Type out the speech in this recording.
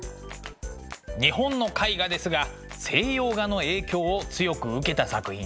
日本の絵画ですが西洋画の影響を強く受けた作品ですね。